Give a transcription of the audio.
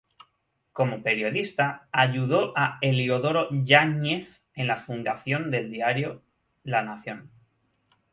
Como periodista, ayudó a Eliodoro Yáñez en la fundación del diario "La Nación".